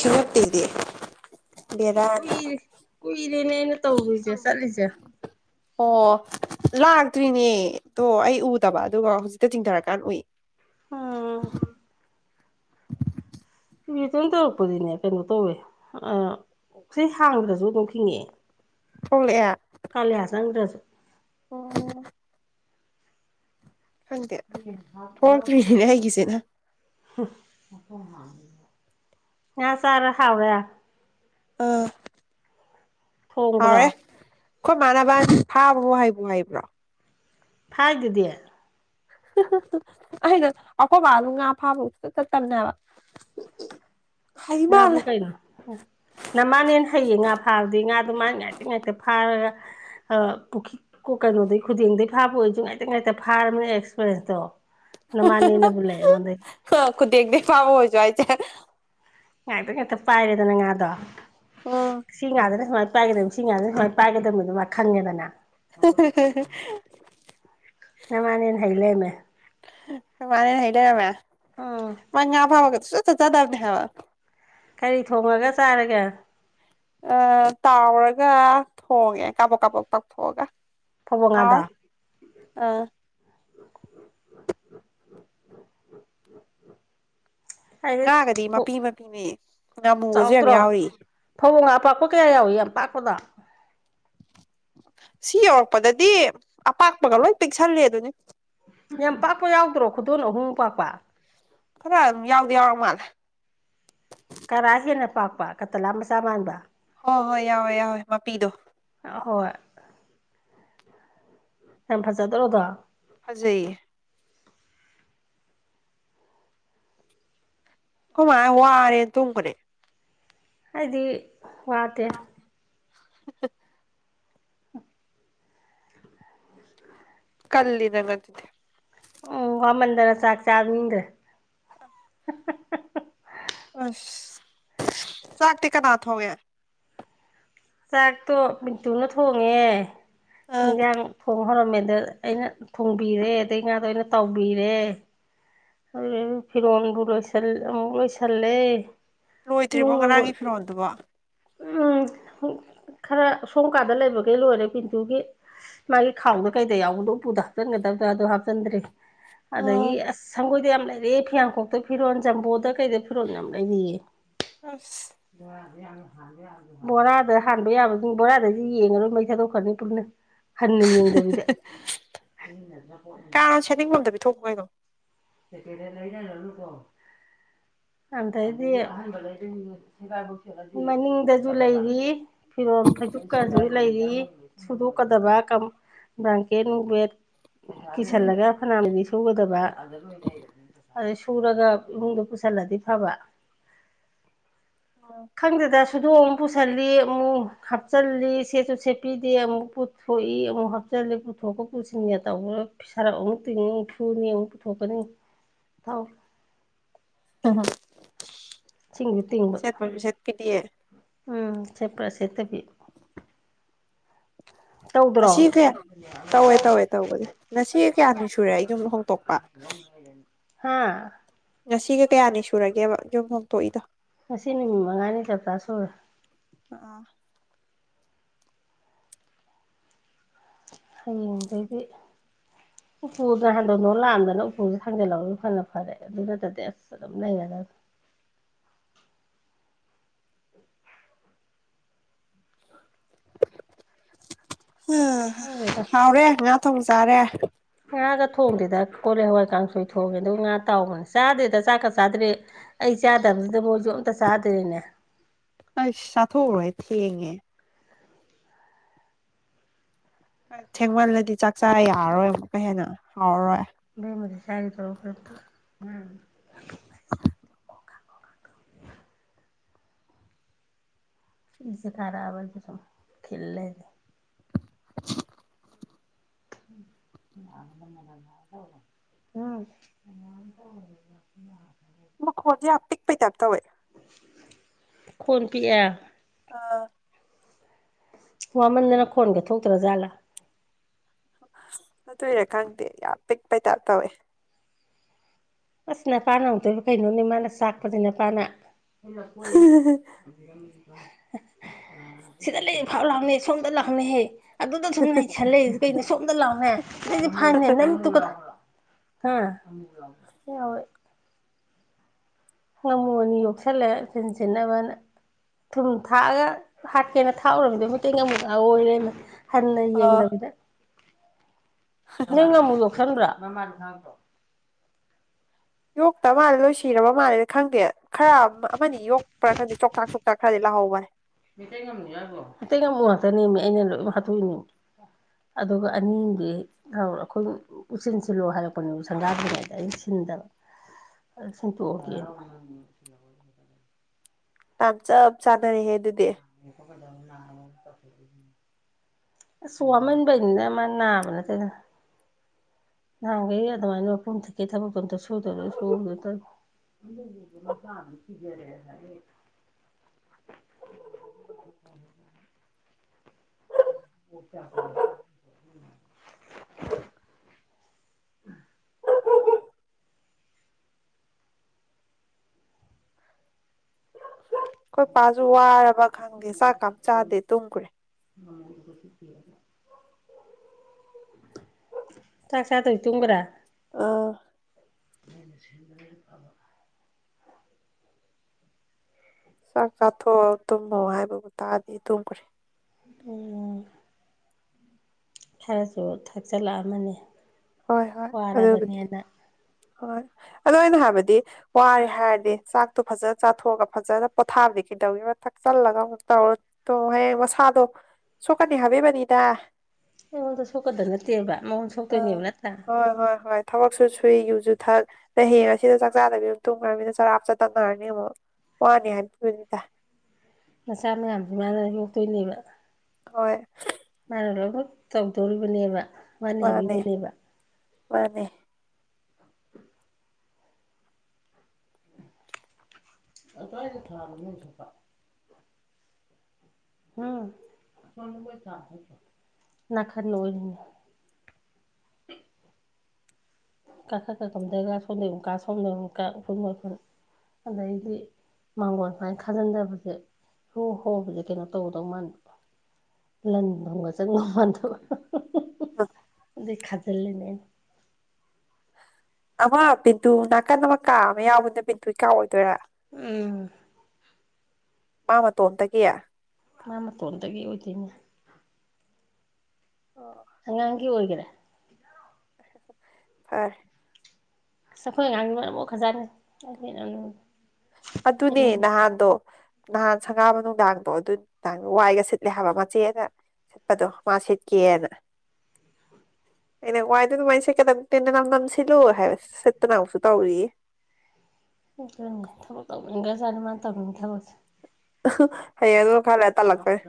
ꯁꯨꯔꯗꯤ ꯀꯨꯏꯔꯦ ꯀꯨꯏꯔꯦꯅꯦ ꯑꯩꯅ ꯇꯧꯔꯨꯁꯦ ꯆꯠꯂꯤꯁꯦ ꯑꯣ ꯂꯥꯛꯇ꯭ꯔꯤꯅꯦꯗꯣ ꯑꯩ ꯎꯗꯕ ꯑꯗꯨꯒ ꯍꯧꯖꯤꯛꯇ ꯆꯤꯡꯊꯔꯀꯥꯟꯗ ꯎꯏ ꯎꯝ [inaudible] [inaudible] ꯔꯤꯇꯟ ꯇꯧꯔꯛꯄꯗꯤꯅꯦ ꯀꯩꯅꯣ ꯇꯧꯋꯦ ꯁꯤ ꯍꯥꯡꯈ꯭ꯔꯁꯨ ꯑꯗꯨꯝ ꯍꯤꯡꯉꯛꯑꯦ ꯊꯣꯛꯂꯛꯑꯦ ꯀꯜ ꯌꯥꯁꯪꯒ꯭ꯔꯁ ꯑꯣ ꯈꯪꯗꯦ ꯊꯣꯛꯂꯛꯇ꯭ꯔꯤꯅꯤꯅꯦ ꯑꯩꯒꯤꯁꯤꯅ ꯌꯥ ꯑ ꯁꯔ ꯍꯥꯕ ꯌꯥ ꯑꯥ ꯊꯣꯡꯝꯕ꯭ꯔꯥ ꯈꯣꯏ ꯃꯥꯟꯕ ꯊꯥꯕꯕ ꯍꯥꯏꯕ ꯍꯥꯏꯔꯤꯕ꯭ꯔꯣ ꯐꯥꯏ ꯑꯗꯨꯗꯤ ꯑꯩꯅ ꯑꯩꯈꯣꯏ ꯕꯥꯂꯨ ꯉꯥ ꯐꯥꯕ ꯆꯠꯇꯕꯅꯦꯕ ꯑꯕꯨ ꯀꯩꯅ ꯅꯃꯅꯦꯅ ꯍꯩꯌꯦ ꯉꯥ ꯐꯥꯕꯗꯤ ꯉꯥꯗꯣ ꯃꯥ ꯉꯥꯏꯇ ꯉꯥꯏꯇ ꯐꯥꯔꯒ ꯄꯨꯈꯈꯤ ꯀꯣ ꯀꯩꯅꯣꯗꯒꯤꯩ ꯈꯨꯗꯤꯡꯗꯒꯤꯩ ꯐꯥꯕ ꯑꯣꯏꯁꯨ ꯉꯥꯏꯇ ꯉꯥꯏꯇ ꯐꯥꯔꯕꯃꯤꯅꯦ ꯑꯦꯛꯁꯄꯤꯔꯤꯟꯁꯇꯣ [unintelligible] ꯈꯨꯗꯦꯡꯗꯩ ꯐꯥꯕ ꯑꫭꯏꯖꯨ ꯍꯥꯏꯖꯦ ꯉꯥꯏꯥꯛꯇ ꯉꯥꯛꯇ ꯄꯥꯏꯔꯦꯗꯅ ꯉꯥꯗꯣ ꯎꯝ ꯁꯤ ꯉꯥꯗꯅ ꯁꯨꯃꯥꯏꯅ ꯄꯥꯏꯒꯗꯕ ꯁꯤ ꯉꯥꯗꯅ ꯁꯨꯃꯥꯏꯅ ꯄꯥꯏꯗ ꯈꯪꯉꯦꯗꯅ ꯃꯥꯅꯦꯅ ꯍꯩ ꯂꯩ ꯃꯥꯅꯦ ꯍꯥꯏꯗ ꯌꯥꯕ ꯎꯝ ꯃꯥ ꯉ ꯐꯕꯒꯁꯨ ꯕꯅ ꯍꯥꯏꯕ ꯀꯔꯤ ꯊꯣꯡꯉꯒ ꯆꯥꯔꯒꯦ ꯑ ꯇꯥꯎꯔꯒ ꯊꯣꯡꯉꯦ ꯀꯥꯄꯣꯛ ꯀꯥꯕꯣꯛ ꯇꯛꯊꯣꯛꯑꯒ ꯐꯕꯣ ꯑ ꯉꯥꯗꯣ ꯑꯩꯗꯤ ꯉꯥꯒꯗꯤ ꯃꯄꯤ ꯃꯄꯤꯅꯦ ꯉꯥꯃꯨꯒꯁꯨ ꯌꯥꯝ ꯌꯥꯎꯔꯤ ꯊꯧꯕꯣꯡ ꯑꯥꯄꯥꯛꯄ ꯀꯌꯥ ꯌꯥꯎꯏꯤ ꯌꯥꯝ ꯄꯥꯛꯄꯗ ꯁꯤ ꯌꯧꯔꯛꯄꯗꯗꯤ ꯑꯄꯥꯛꯄꯒ ꯂꯣꯏꯑꯣ ꯄꯤꯛꯁꯜꯂ ꯑꯗꯨꯅꯤ ꯌꯥꯝ ꯄꯥꯛꯄ ꯌꯥꯎꯗ꯭ꯔꯣ ꯈꯨꯗꯣꯟ ꯑꯍꯨꯝ ꯄꯥꯛꯄ ꯐꯔ ꯑꯗꯨ ꯌꯥꯎꯗꯤ ꯌꯥꯎꯔ ꯃꯥꯜꯂꯦ ꯀ ꯀꯠꯇꯂꯥ ꯃꯆꯥ ꯃꯥꯟꯕ ꯍꯣꯏ ꯍꯣꯏ ꯌꯥꯎꯋꯦ ꯌꯥꯎꯋꯦ ꯃꯄꯤꯗꯣ ꯍꯣꯏ ꯍ ꯐ ꯆ ꯇꯔꯣꯗ ꯐꯖꯩꯌꯦ ꯀꯃꯥꯏ ꯋꯥꯔꯦꯅ ꯇꯣꯡꯕꯅꯦ ꯍꯥꯏꯗꯤ ꯋꯥꯗꯦ [unintelligible] ꯀꯜꯂꯤ ꯅꯪ ꯉꯗꯗꯦ ꯎꯝ ꯋꯥꯃꯟꯗꯅ ꯆꯥꯛ ꯆꯥꯅꯤꯡꯗ꯭ꯔꯦ ꯁꯥꯥꯛꯇ ꯀꯅꯥꯊꯣꯒꯦ ꯆꯥꯛꯇꯣ ꯃꯤꯇꯨꯅ ꯊꯣꯡꯉꯦ ꯑ ꯍꯟꯖꯥꯡ ꯊꯣꯡꯉ ꯍꯣꯔꯃꯦꯟꯗ ꯑꯩꯅ ꯊꯣꯡꯕꯤꯔꯦ ꯑꯗꯩ ꯉꯥꯗꯣ ꯑꯩꯅ ꯇꯥꯎꯕꯤꯔꯦ ꯑꯗꯨ ꯐꯤꯔꯣꯟꯗꯨ ꯂꯣꯏꯁꯜ ꯑꯃꯨꯛ ꯂꯣꯏꯁꯜꯂꯦ ꯂꯣꯏꯗ꯭ꯔꯤꯕꯣ ꯏꯃꯨꯡ ꯃꯪꯒꯣꯜ ꯉꯔꯥꯡꯒꯤ ꯐꯤꯔꯣꯜꯗꯨꯕꯣ ꯎꯝ ꯈꯔ ꯁꯣꯝ ꯀꯥꯗ ꯂꯩꯕꯈꯩ ꯂꯣꯏꯔꯦ ꯄꯤꯟꯇꯨꯒꯤ ꯃꯥꯒꯤ ꯈꯥꯎꯗ ꯀꯩꯗ ꯌꯥꯎꯕꯗꯣ ꯎ ꯄꯨꯗ ꯍꯥꯞꯆꯤꯟꯒꯗꯕꯗꯗꯣ ꯍꯥꯞꯆꯤꯟꯗ꯭ꯔꯔꯤ ꯑꯗꯒꯤ ꯑꯁ ꯁꯪꯒꯣꯏꯗ ꯌꯥꯝ ꯌꯥꯝ ꯂꯩꯔꯦ ꯐꯤꯌꯥꯡꯀꯣꯛꯇ ꯐꯤꯔꯣꯜ ꯆꯖꯝꯕꯣꯗ ꯀꯩꯗ ꯐꯤꯔꯣꯜ ꯌꯥꯝ ꯂꯩꯔꯤꯌꯦ ꯑꯁ ꯕꯣꯔꯥꯗ ꯍꯥꯟꯕ ꯌꯥꯕꯁꯤꯡ ꯕꯣꯔꯥꯗꯁꯤ ꯌꯦꯡꯉ ꯂꯣꯏ ꯃꯩ ꯊꯥꯗꯣꯛꯈ꯭ꯔꯅꯤ ꯄꯨꯟꯅ ꯍꯟꯅ ꯌꯦꯡꯗꯕꯤꯗ ꯊꯣꯛ ꯍꯥꯏꯩꯅꯣ ꯑꯦꯅꯦ ꯂ ꯌꯥ ꯅꯂꯨ ꯇꯣ ꯑꯩꯗꯤ ꯃꯅꯤꯡꯗꯁꯨ ꯂꯩꯔꯤ ꯐꯤꯔꯣꯜ ꯐꯩꯖꯛꯀꯁꯨ ꯂꯩꯔꯤ ꯁꯨꯗꯣꯛꯀꯗꯕ ꯕ꯭ꯔꯥꯡꯀꯦꯠ ꯅꯨꯡꯕꯦꯠ ꯀꯤꯁꯜꯂꯒ ꯐꯅꯅꯗꯤ ꯁꯨꯒꯗꯕ ꯑꯗꯩ ꯁꯨꯔꯒ ꯏꯃꯨꯡꯗ ꯄꯨꯁꯤꯜꯂꯗꯤ ꯐꯕ ꯈꯪꯗꯗ ꯁꯨꯗꯣꯡꯑꯨꯛ ꯄꯨꯁꯤꯜꯂꯤ ꯑꯃꯨꯛ ꯍꯥꯞꯆꯜꯂꯤ ꯁꯦꯠꯁꯨ ꯁꯦꯠꯄꯤꯗꯦ ꯑꯃꯨꯛ ꯄꯨꯊꯣꯛꯏ ꯑꯃꯨꯛ ꯍꯥꯞꯆꯤꯜꯂ ꯄꯨꯊꯣꯛꯀ ꯄꯨꯁꯤꯟꯒꯦ ꯇꯧꯕ ꯁꯔꯞ ꯑꯃꯨꯛ ꯅꯤ ꯊꯨꯅꯤ ꯑꯃꯨꯛ ꯄꯨꯊꯣꯛꯀꯅꯤ ꯊꯥꯎ ꯍ ꯍ ꯆꯤ ꯇꯤꯕ ꯀꯗꯤꯦ ꯎꯝ ꯆꯦꯄ꯭ꯔ ꯁꯤꯦꯠꯇꯕꯤ ꯇꯧꯗ꯭ꯔꯣ ꯉꯁꯤ ꯀꯌꯥ ꯇꯧꯋꯦ ꯇꯧꯋꯦ ꯇꯧꯕꯁꯦ ꯉꯁꯤ ꯀꯌꯥꯅꯤ ꯁꯨꯔꯦ ꯑꯩ ꯌꯨꯝꯗ ꯍꯣꯡꯇꯣꯛꯄ ꯍꯥꯥ ꯉꯁꯤꯒ ꯀꯌꯥꯅꯤ ꯁꯨꯔꯒꯦꯕ ꯌꯨꯝ ꯍꯣꯡꯗꯣꯛꯏꯗꯣ ꯉꯁꯤ ꯅꯨꯃꯤꯠ ꯃꯉꯥꯅꯤ ꯆꯞꯄꯥ ꯁꯨꯔꯦ ꯑ ꯍꯌꯦꯡꯩꯗꯤ ꯎꯄꯨꯗ ꯍꯟꯗꯧꯅꯣ ꯂꯥꯛꯑꯝꯗꯅ ꯎꯄꯨꯁꯦ ꯍꯥꯡꯖꯤꯜꯂꯛꯒꯁꯨ ꯐꯅ ꯐꯔꯦ ꯑꯗꯨ ꯅꯠꯇꯗꯤ ꯑꯁ ꯑꯗꯨꯝ ꯂꯩꯔꯗ [unintelligible] ꯍꯗ ꯍꯥꯎꯔꯦ ꯉꯥ ꯊꯣꯡ ꯆꯥꯔꯦ ꯍꯒ ꯊꯣꯡꯗꯗ ꯀꯣꯂ ꯍꯋꯥ ꯀꯥꯡꯁꯣꯏ ꯊꯣꯡꯉꯦ ꯑꯗꯨꯒ ꯉꯥ ꯇꯥꯎꯕꯅꯦ ꯆꯥꯗ꯭ꯔꯦꯗ ꯆꯥꯛꯀ ꯆꯥꯗ꯭ꯔꯦ ꯑꯩ ꯆꯥꯗꯕꯁꯤꯗ ꯃꯣꯏ ꯑ ꯁꯥꯊꯔꯣꯏ ꯊꯉꯦ ꯊꯦꯡꯃꯜꯂꯗꯤ ꯆꯥꯛ ꯆꯥ ꯌꯥꯔꯔꯣꯏ ꯑꯃꯨꯛꯀ ꯍꯦꯟꯅ ꯍꯥꯎꯔꯔꯣꯏ ꯃꯔꯤ ꯁꯔꯤ ꯊꯈꯔ ꯏꯁꯦ ꯈꯔꯕꯗꯤ ꯁ ꯈꯜꯂꯦꯁꯦ ꯎꯝ [unintelligible] ꯃ ꯍꯧꯖꯤꯦ ꯍꯥ ꯄꯤꯛ ꯄꯤ ꯇ ꯀꯧꯋꯦ ꯈꯨꯨꯟ ꯄꯌꯥ ꯑꯥ ꯋꯥꯃꯟꯗꯅ ꯈꯣꯟꯒꯦ ꯊꯣꯛꯇ꯭ꯔꯖꯥꯠꯂꯥ ꯑꯗꯨꯏꯔ ꯈꯪꯗꯦ ꯌꯥꯝ ꯄꯤꯛꯄꯩꯇꯥꯞ ꯇꯧꯋꯦ ꯑꯁ ꯅꯄꯥꯅ ꯑꯃꯨꯗꯣꯏꯕ ꯀꯩꯅꯣꯅꯦ ꯃꯥꯅ ꯆꯥꯛꯄꯗꯤ ꯅꯄꯥꯅ ꯑꯩꯂꯥꯛ ꯀꯣꯏꯕꯤꯔꯝ ꯁꯤꯗ ꯂꯩ ꯐꯥꯎ ꯂꯥꯛꯅꯦ ꯁꯣꯝꯗ ꯂꯥꯛꯅꯦꯍꯦ ꯑꯗꯨꯗ ꯁꯨꯝ ꯂꯩꯁꯜꯂꯛꯏꯁꯦ ꯀꯩꯅꯣ ꯁꯣꯝꯗ ꯂꯥꯎꯅꯦ ꯑꯗꯨꯗꯤ ꯐꯥꯏꯅꯦ ꯅꯪꯃꯤꯠꯇꯨꯒ ꯍꯣꯏ ꯉꯝꯃꯣꯅꯤ ꯌꯣꯛꯁꯜꯂꯦ ꯁꯤꯟ ꯁꯤꯟꯅꯕꯅ ꯊꯨꯝ ꯊꯥꯛꯑꯒ ꯍꯥꯠꯀꯦꯅ ꯊꯥꯛꯎꯔꯃꯤꯗꯕꯨꯦꯡꯒ ꯑꯃꯨꯛꯀ ꯑꯣꯏꯔꯦꯅ ꯍꯅ ꯑꯥ ꯌꯦꯡꯗꯕꯗ ꯅꯪ ꯑꯃꯨꯛ ꯌꯣꯛꯁꯟꯕ꯭ꯔꯥ꯭ꯔ ꯌꯣꯛꯇ ꯃꯥꯜꯂꯦ ꯂꯣꯏꯁꯤꯔꯕ ꯃꯥꯜꯂꯦ ꯈꯪꯗꯦ ꯈꯔ ꯑꯃꯅꯤ ꯌꯣꯛꯄ꯭ꯔꯥ ꯈꯪꯗꯦ ꯆꯣꯛꯇꯥꯛ ꯆꯣꯛꯇꯥꯛ ꯈꯔꯗꯤ ꯂꯥꯛ ꯍ ꯋꯥ ꯩ ꯉꯃ ꯉꯥꯛꯇꯅꯦꯃꯤ ꯑꯩꯅ ꯂꯣꯏ ꯍꯥꯠꯇꯣꯛꯏꯅꯦ ꯑꯗꯨꯒ ꯑꯅꯤꯗꯤ ꯑꯩꯈꯣꯏ ꯎꯆꯁꯤꯤꯟ ꯁꯤꯜꯂꯣ ꯍꯥꯏꯔꯛꯄꯅꯦꯕꯨ ꯁꯪꯒꯥꯗ꯭ꯔꯤꯉꯩꯗ ꯑꯩ ꯗꯕ ꯁꯦꯡꯇꯣꯛꯑꯒꯦ ꯌꯥꯝ ꯆꯞ ꯆꯥꯅꯔꯦꯍꯦ ꯑꯗꯨꯗꯤ ꯅꯥ ꯁꯣꯋꯥꯕꯅꯤꯗ ꯃ ꯅꯥꯕꯅ ꯊ ꯅꯍꯥꯟꯈꯩ ꯑꯗꯨꯃꯥꯏꯅ ꯃ ꯄꯨꯝꯊꯀꯦ ꯊꯕꯛ ꯄꯊ ꯁꯨꯗꯔ ꯁꯨꯔ ꯇ ꯑꯗꯨꯕ ꯃꯁꯥꯅ ꯁꯤꯤꯖꯔꯦ ꯍꯥꯏꯗꯤ ꯑꯣ [inaudible] ꯎꯝ ꯑꯩꯈꯣꯏ ꯄꯥꯁꯨ ꯋꯥꯔꯕ ꯈꯪꯗꯦ ꯆꯥꯛ ꯀꯝ ꯆꯥꯗꯦ ꯇꯨꯝꯈꯨꯔꯦ ꯃꯃ ꯑꯗꯨꯁꯨꯇꯤꯗ ꯆꯥꯛ ꯆꯗ ꯇꯨꯒ꯭ꯔꯥ ꯑꯥ ꯃꯣꯏꯅ ꯁꯤꯟꯕꯅ ꯍ ꯐꯕ ꯆꯥꯛ ꯆꯥꯊꯣꯛꯑꯣ ꯇꯨꯝꯃꯣ ꯍꯥꯏꯕꯕꯨ ꯇꯥꯔꯗꯤ ꯇꯨꯝꯈ꯭ꯔꯦ ꯑꯣ ꯈꯔꯁꯨ ꯊꯛꯆꯤꯜꯂꯛꯑ ꯑꯃꯅꯤ ꯍꯣꯏ ꯍꯣꯏ ꯑꯗꯨꯕꯨꯗꯤ ꯍꯣꯏ ꯑꯗꯨꯣ ꯑ ꯑꯣꯏꯅ ꯍꯥꯏꯕꯗꯤ ꯋꯥꯔꯦ ꯍꯥꯏꯔꯗꯤ ꯆꯥꯛꯇꯣ ꯐꯖꯅ ꯆꯥꯊꯣꯛꯑꯒ ꯐꯖꯅ ꯄꯣꯊꯥꯕꯅꯤ ꯀꯩꯗꯧꯦ ꯃ ꯊꯛ ꯆꯜꯂꯒ ꯑꯃꯨꯛ ꯇꯧꯔ ꯍꯌꯦꯡ ꯃꯁꯥꯗꯣ ꯁꯀꯥꯟꯅꯤ ꯍꯥꯞꯦꯕꯅꯤꯗ ꯑꯩꯉꯣꯟꯗ ꯁꯧꯀꯗ ꯅꯠꯇꯦꯕ ꯃꯉꯣꯟ ꯑꯥ ꯁꯧꯇꯣꯏꯅꯦꯕꯅ ꯍꯣꯏ ꯍꯣꯏ ꯍꯣꯏ ꯊꯕꯛꯁꯨ ꯁꯨꯏ ꯌꯨꯁꯨꯨ ꯊꯛ ꯑ ꯍꯌꯦ ꯑꯁꯤꯗ ꯆꯥꯛ ꯆꯥꯗꯕꯤ ꯑꯃ ꯇꯨꯡꯈ꯭ꯔꯅꯤꯅ ꯆꯔꯥꯞ ꯆ ꯇꯛꯅꯔꯅꯤ ꯑꯃꯨꯛ ꯍꯅꯤꯅꯤꯅꯤꯗ ꯅꯆꯥ ꯃꯌꯥꯝꯁꯤ ꯃꯥꯅ ꯌꯣꯛꯇꯣꯏꯅꯦꯕ ꯍꯣꯏ ꯃꯥꯅ ꯂꯣꯏꯅꯅꯃꯛ ꯇꯧꯗꯣꯔꯤꯕꯅꯦꯕ ꯋꯥꯅꯤ ꯍꯥꯏꯕꯤꯕꯅꯦꯕ ꯐꯅꯦꯦ ꯑ ꯇꯏꯗꯤ ꯊꯥꯔꯃꯦ ꯁꯄ ꯎꯝ ꯆ ꯅꯅꯥ ꯈꯔ ꯅ ꯑꯣꯏ ꯀ ꯀꯥ ꯀꯥ ꯀꯝꯗꯒ ꯁꯣꯗꯀ ꯁꯣꯝꯅꯀ ꯎꯃꯈ ꯑꯗꯩꯗꯤ ꯃꯥꯡꯒꯣꯟ ꯁꯨꯃꯥꯏꯅ ꯈꯥꯖꯤꯟꯗꯕꯁꯦ ꯍꯣ ꯍꯣꯕꯨꯖꯤꯛ ꯀꯩꯅꯣ ꯇꯧꯒꯗꯧ ꯃꯥꯟꯗ ꯂꯟ ꯊꯨꯝꯒ ꯆꯪꯉꯧ ꯃꯥꯟꯗꯕ ꯑ ꯗ ꯈ ꯆꯂꯅꯦꯅ ꯑꯃ ꯕꯤꯟꯗꯨ ꯅꯥꯀꯟ ꯑꯃ ꯀꯥ ꯑꯃ ꯌꯥꯎꯕꯅ ꯕꯤꯟꯗꯨ ꯀꯥꯎꯑꯣꯏꯗꯣꯏꯔꯥ ꯎꯝ ꯃꯥ ꯃꯇꯣꯝꯇ ꯀꯌꯥ ꯃꯥ ꯃꯇꯣꯟꯗꯒꯤ ꯑꯣꯏꯗꯣꯏꯅꯦ ꯑꯣ ꯍꯪꯪꯤ ꯍꯒꯗꯦ ꯐꯔ ꯁꯈꯣꯏ ꯉꯥꯡ ꯃꯔꯅ ꯍꯖꯥꯔꯦ ꯑꯗꯨꯅꯦ ꯅꯍꯥꯟꯗꯣ ꯅꯍꯥꯟ ꯁꯪꯒꯥꯕ ꯅꯨꯡꯗꯥꯡꯗꯣ ꯑꯗꯨ ꯅꯨꯡꯗꯥꯡ ꯋꯥꯏꯒ ꯁꯤꯠꯂꯦ ꯍꯥꯏꯕ ꯃꯆꯦꯅ ꯆꯠꯄꯗꯣ ꯃꯥ ꯁꯤꯠꯀꯦꯅ ꯍꯣꯏ ꯑꯩꯅ ꯋꯥꯏꯗ ꯑꯗꯨꯃꯥꯏꯅ ꯁꯦ ꯇꯟꯅ ꯅ ꯅꯝꯁꯤꯜꯂꯣ ꯍꯥꯏꯕ ꯁꯤꯠꯇꯨꯅ ꯑꯃꯨꯛꯁꯨ ꯇꯧꯔꯤꯌꯦ ꯅꯦ ꯊꯕꯛ ꯇꯧꯅꯤꯡ ꯈ꯭ꯔ ꯆꯥꯠꯅꯤ ꯃꯥ ꯇꯧꯅꯤꯡꯅꯤ ꯊꯕꯛꯁꯦ ꯍꯌꯦ ꯑꯗꯨ ꯈꯔ ꯂꯩꯔ ꯇꯜꯂꯛꯇꯣꯏꯅꯦ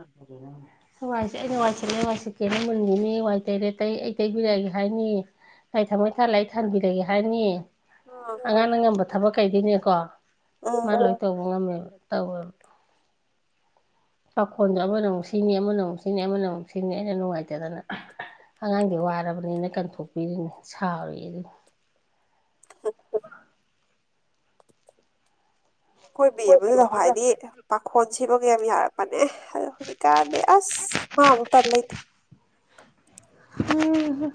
ꯍ ꯑꯩꯅ ꯋꯥ ꯋꯥ ꯀꯩꯅꯣ ꯃꯨꯟꯈꯤꯅꯤ ꯋꯥꯏ ꯇꯩꯔꯦ ꯇꯩ ꯑꯩ ꯇꯩꯕꯤꯔꯛꯑꯒꯦ ꯍꯥꯏꯅꯤ ꯑꯩ ꯊꯝꯃꯣꯏ ꯊꯥ ꯂ ꯑꯩ ꯊꯥꯟꯕꯤꯔꯒꯦ ꯍꯥꯏꯅꯤꯌꯦ ꯎꯝ ꯑꯉꯥꯡꯅ ꯉꯝꯕ ꯊꯕꯛ ꯀꯩꯗꯅꯦꯀꯣ ꯎꯝ ꯃꯥ ꯂꯣꯏ ꯇꯧꯕ ꯉꯝꯃꯦꯕ ꯇꯧꯋ ꯄꯥꯈꯣꯟꯗꯣ ꯑꯃꯅ ꯑꯃꯨꯛ ꯁꯤꯅꯤ ꯑꯃꯅ ꯑꯃꯨꯛ ꯁꯤꯅꯤ ꯑꯃꯅ ꯑꯃꯨꯛ ꯁꯤꯅꯤ ꯑꯩꯅ ꯅꯨꯡꯉꯥꯏꯇꯗꯅ ꯑꯉꯥꯡꯗꯤ ꯋꯥꯔꯕꯅꯤꯅ ꯀꯟꯊꯣꯛꯄꯤꯔꯤꯅꯤ ꯁꯥꯎꯔꯤ ꯑꯗꯨꯅꯤ [inaudible] ꯑꯀꯣꯏ ꯃꯤ ꯑꯩꯈꯣꯏꯗꯤ ꯑꯃꯗꯨꯗ ꯑꯃꯨꯛ ꯂꯥꯛ ꯍꯥꯏꯏꯗꯤ ꯄꯥꯈꯣꯟ ꯁꯤꯕꯒ ꯌꯥꯝ ꯌꯥꯔꯛꯄꯅꯦ ꯑꯗꯨ ꯍꯧꯖꯤꯛꯀꯥꯟꯗꯤ ꯑꯁ ꯍ ꯇꯥꯟꯂ ꯂꯩꯇꯦ ꯍꯝ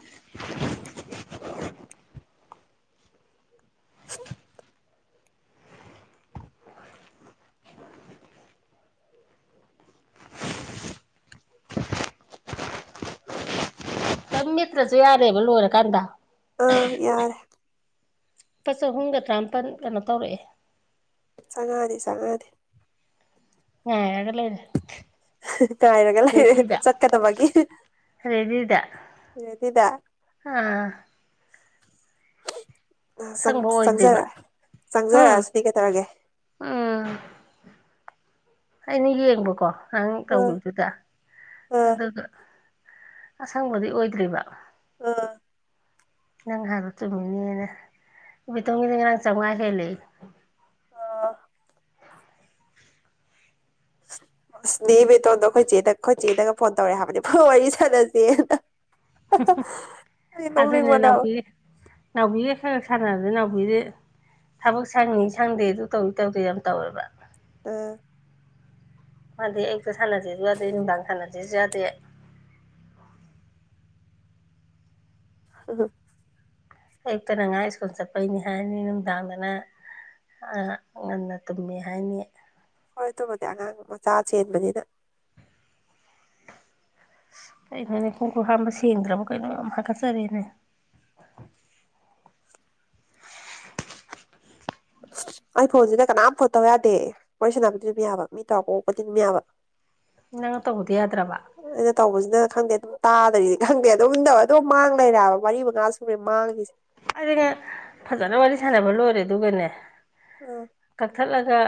[inaudible] ꯃ꯭ꯔꯁꯨ ꯌꯥꯔꯦꯕ ꯂꯣꯏꯔ ꯀꯗ ꯑ ꯌꯥꯔ ꯂꯨꯄꯥ ꯆꯍꯨꯝꯒ ꯇꯔꯥꯃꯥꯄꯜ ꯀꯩꯅꯣ ꯇꯧꯔꯛꯑꯦ ꯁꯉꯗꯤ ꯆꯉꯗꯤ ꯍ ꯑꯗꯨꯂꯅꯦ ꯇꯥꯏꯔꯒ ꯂꯩꯔꯦ ꯆꯠꯀꯗꯕꯒꯤ ꯔꯦꯗꯤꯗ ꯑꯗꯨꯗ ꯑꯥ ꯑ ꯁꯪꯕ ꯑꯣꯏꯗ꯭ꯔꯤꯕ ꯆꯪꯖꯔꯛ ꯍꯨꯝ ꯆꯪꯖꯔꯛꯑꯁꯨꯗꯤ ꯀꯩ ꯇꯧꯔꯒꯦ ꯎꯝ ꯑꯩꯅ ꯌꯦꯡꯕꯀꯣ ꯅꯪ ꯑꯥ ꯇꯧꯈꯤꯕꯗꯨꯗ ꯑꯥ ꯑꯗꯨꯒ ꯑꯁꯪꯕꯗꯤ ꯑꯣꯏꯗ꯭ꯔꯤꯕ ꯑꯥ ꯅꯪ ꯍꯥꯏꯗꯣ ꯆꯨꯝꯃꯤꯅꯦꯅ ꯏ ꯇꯣꯒꯤ ꯉ ꯅꯪ ꯆꯥꯃꯉꯥ ꯍꯦꯜꯂꯛ ꯑꯥ ꯎ ꯑꯁꯗꯤ ꯕꯦꯇꯣꯟꯗꯣ ꯑꯩꯈꯣꯏ ꯆꯦꯗ ꯑꯩꯈꯣꯏ ꯆꯦꯗꯒ ꯐꯣꯟ ꯇꯧꯔꯑꯦ ꯍꯥꯏꯕꯅꯤ ꯐꯣꯏ ꯋꯥꯔꯤ ꯁꯥꯟꯅꯁꯦꯅ ꯑꯩ ꯑꯗꯨꯅꯦ ꯅꯣꯛꯅꯤꯡꯕꯅ ꯅꯎꯕꯤ ꯈ ꯁꯥꯟꯅ ꯑꯗꯨ ꯅꯥꯎꯕꯤꯗꯤ ꯊꯕꯛ ꯁꯪꯉꯤ ꯁꯪꯗꯦ ꯑꯗꯨ ꯇꯧꯏꯤ ꯇꯧꯗꯦ ꯌꯥꯝ ꯇꯧꯋꯦꯕ ꯇ ꯐꯗꯦ ꯑꯌꯛꯇ ꯁꯥꯟꯅꯁꯤꯦꯁꯨ ꯌꯥꯗꯦ ꯅꯨꯡꯗꯥꯡ ꯁꯥꯟꯅꯁꯤꯦꯁꯨ ꯌꯥꯗꯦ [inaudible] ꯑ [unintelligible] ꯑꯌꯨꯛꯇꯅ ꯑꯉꯥꯡ ꯏꯁ꯭ꯀꯨꯜ ꯆꯠꯄꯩꯅꯤ ꯍꯥꯏꯅꯤ ꯅꯨꯡꯗꯥꯡꯗꯅ ꯑꯥ ꯉꯟꯅ ꯇꯨꯝꯃꯦ ꯍꯥꯏꯅꯤ ꯍꯣꯏ ꯑꯗꯨꯕꯨꯗꯤ ꯑꯉꯥꯡ ꯃꯆꯥ ꯆꯦꯟꯕꯅꯤꯅ ꯀꯩꯅꯣꯅꯦ ꯈꯣꯡꯈꯨꯠ ꯍꯥꯝꯕ ꯁꯦꯡꯗ꯭ꯔꯕ ꯀꯩꯅꯣ ꯌꯥꯝ ꯍꯥꯀꯠꯆꯔꯦꯅꯦ [inaudible] [inaudible] ꯑꯩ ꯐꯣꯟꯁꯤꯗ ꯀꯅꯥꯝ ꯐꯣꯟ ꯇꯧ ꯌꯥꯗꯦ ꯋꯥꯔꯤ ꯁꯥꯟꯅꯕꯗꯤ ꯑꯗꯨꯝ ꯌꯥꯕ ꯃꯤ ꯇꯧꯔ ꯀꯣꯛꯄꯗꯤ ꯑꯗꯨꯝ ꯌꯥꯕ ꯅꯪꯅ ꯇꯧꯕꯗꯤ ꯌꯥꯗ꯭ꯔꯕ ꯑꯩꯅ ꯇꯧꯕꯁꯤꯅ ꯈꯪꯗꯦ ꯑꯗꯨꯝ ꯇꯥꯔꯤꯅ‌ꯦ ꯈꯪꯗꯦ ꯑꯗꯨꯝ ꯇꯧꯔꯕꯥ ꯑꯗꯨꯝ ꯃꯥꯡ ꯂꯩꯔꯕ ꯃꯔꯤ ꯃꯉꯥ ꯁꯨꯨꯔꯃꯤ ꯃꯥꯡꯂꯤꯁꯦ ꯑꯩꯗꯤꯅ‌ꯦ ꯐꯖꯅ ꯋꯥꯔꯤ ꯁꯥꯟꯅꯕ ꯂꯣꯏꯔꯦ ꯑꯗꯨꯒꯅꯦ ꯑꯥ ꯀꯛꯊꯠꯂꯒ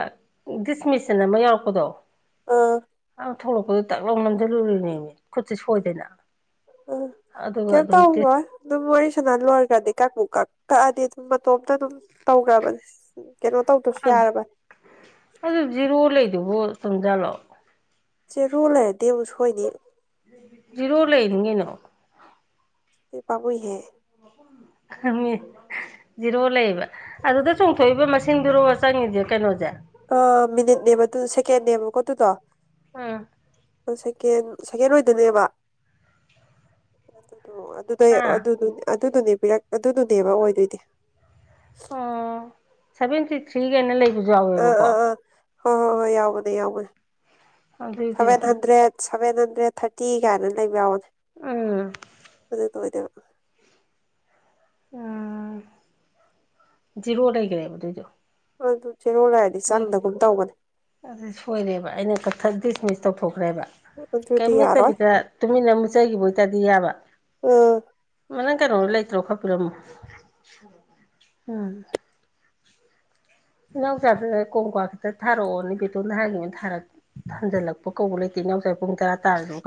ꯗꯤꯁ ꯃꯦꯁꯟ ꯑꯃ ꯌꯥꯎꯔꯛꯄꯗꯣ ꯑꯥ ꯊꯣꯛꯂꯛꯄꯗꯨ ꯇꯥꯛ ꯂꯧꯎ ꯅꯝꯁꯤꯜꯂꯨꯔꯤꯅꯦꯃꯤ ꯈꯨꯠꯁꯦ ꯁꯣꯏꯗꯅ ꯑ ꯑꯗꯨꯒ ꯀꯏꯝ ꯑꯗꯨꯝ ꯗꯤꯁ ꯇꯧꯔꫭꯏ ꯑꯗꯨꯝ ꯋꯥꯔꯤꯁꯅꯂꫭꯏꯒꯔꯗꯤ ꯀꯛꯕꯨ ꯀꯥꯛꯀ ꯀꯛꯑꯗꯤ ꯑꯗꯨꯝ ꯃꯇꯣꯝꯇ ꯑꯗꯨꯝ ꯇꯧꯅꯕꯅꯦ ꯀꯩꯅꯣ ꯇꯧꯗ꯭ꯔꯁꯨ ꯌꯥꯔꯕꯅꯤ ꯑꯗꯨꯕꯨ ꯇꯨꯝꯖꯂꯣ [unintelligible] ꯆꯦꯔꫭ ꯂꯩꯔꯗꯤꯕꯨꯨꯛ ꯁꯣꯏꯅꯤ ꯖ‌ꯦꯔꫭ ꯂꯩꯔꯤꯅ‌ꯦ ꯅꯥꯎ ꯑꯗꯨꯗꯤ ꯄꯥꯃꯨꯏꯍ‌‌ꯦ [unintelligible] ꯖꯤꯔꯣ ꯂꯩꯌꯦꯕ ꯑꯗꯨꯗ ꯆꯣꯡꯊꯣꯛꯏꯕ ꯃꯁꯤꯡꯗꯨꯔꯣ ꯆꯪꯉꯤꯁꯦ ꯀꯩꯅꯣꯁꯦ ꯑ ꯃꯤꯅꯤꯠ ꯅ‌ꯦꯕ ꯑꯗꯨꯗꫭ ꯁꯀꯦꯟ ꯅꯦꯕ ꯀꫭ ꯑꯗꯨꯗꫭ ꯎꯝ ꯁꯦꯀꯦꯟ ꯁꯦꯀꯦꯟ ꯑꯣꯏꯗꫭꯏꯅꯦꯕ ꯑꯗꫭ ꯑꯗꯨꯗꯩ ꯍꯥ ꯑꯗꯨ ꯑꯗꯨꯗꯨꯅꯦ ꯄꯤꯔꯛ ꯑꯗꯨꯗꯨꯅꯦꯕ ꯑꯣꯏꯗꯣꯏꯗꯤ ꯑꯣ ꯁꯦꯚꯦꯟꯇꯤ ꯊ꯭ꯔꯤꯒꯥꯏꯅ ꯂꯩꯕꯁꯨ ꯑꯥ ꯌꯥꯎꯋꯦꯕꯀꯣ ꯑꯥ ꯑꯥ ꯍꯣꯏ ꯍꯣꯏ ꯍꯣꯏ ꯌꯥꯎꯕꯅꯦ ꯌꯥꯎꯕꯅꯦ ꯑꯗꯨꯏꯗꯤ seven hundred seven hundred thirty ꯀꯥꯏꯅ ꯂꯩꯕ ꯌꯥꯎꯅꯦ ꯎꯝ ꯑꯗꯨꯗ ꯑꯣꯏꯗꯣꯏꯕ ꯎꯝ ꯖꯤꯔꯣ ꯂꯩꯒꯔꯦꯕ ꯑꯗꯨꯏꯗꯣ ꯑꯗꯨ ꯖꯦꯔꯣ ꯂꯩꯔꯗꯤ ꯍꯣꯏ ꯆꯪꯗꯒꯨꯝ ꯇꯧꯕꯅꯦ ꯑꯗꯨ ꯁꯣꯏꯔꯦꯕ ꯑꯩꯅ ꯀꯛꯊ ꯗꯤꯁꯃꯤꯁ ꯇꯧꯊꯣꯛꯈ꯭ꯔꯦꯕ ꯑꯗꯨꯗꯤ ꯀꯩꯝ ꯌꯥꯔꯣꯏ ꯅꯠꯇꯕꯤꯗ ꯇꯨꯃꯤꯟꯅ ꯑꯃꯨꯠꯆꯈꯤꯕ ꯑꯣꯏꯇꯥꯗꯤ ꯌꯥꯕ ꯑꯥ ꯃꯅ ꯀꯔꯣ ꯂꯩ [unintelligible] ꯣ ꯈ [unintelligible] ꯄꯔꯃ ꯎꯝ ꯏꯅꯥꯎꯆꯥꯗꯨꯅ ꯀꯣꯡꯀꯥ ꯈꯤꯇ ꯊꯥꯔꯛꯑꯣꯅꯦ ꯕꯦꯇꯣꯟꯗ ꯍꯥꯏꯈꯤꯕ ꯊꯥꯔ ꯍꯟꯖꯤꯜꯂꯛꯄ ꯀꯧꯕ ꯂꯩꯇꯦ ꯏꯅꯎꯁ ꯄꯨꯡ ꯇꯔꯥ ꯇꯥꯔꯗꯨ [unintelligible]